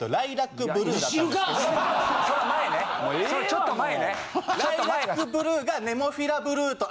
ちょっと前。